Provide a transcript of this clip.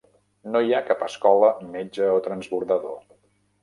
No hi ha cap escola, metge o transbordador.